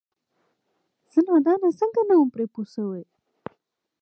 زه نادانه څنګه نه وم پرې پوه شوې؟!